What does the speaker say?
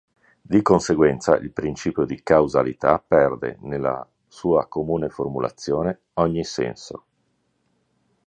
Di conseguenza, il principio di causalità perde, nella sua comune formulazione, ogni senso.